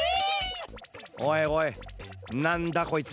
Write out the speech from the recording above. おいおいなんだこいつ？